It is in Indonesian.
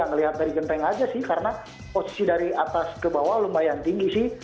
ngelihat dari genteng aja sih karena posisi dari atas ke bawah lumayan tinggi sih